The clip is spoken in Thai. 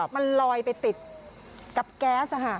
มันลอยไปติดกับแก๊ส